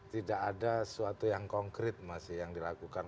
tidak ada sesuatu yang konkret masih yang dilakukan